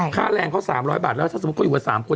ค่าแรงเขา๓๐๐บาทแล้วถ้าสมมุติเขาอยู่กัน๓คน